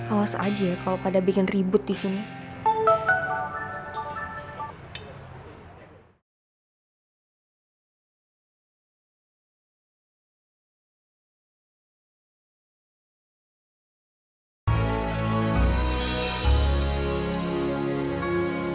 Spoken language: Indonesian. awas aja kalau pada bikin ribut di sini